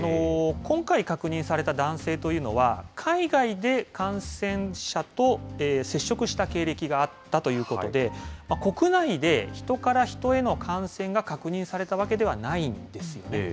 今回確認された男性というのは、海外で感染者と接触した経歴があったということで、国内でヒトからヒトへの感染が確認されたわけではないんですよね。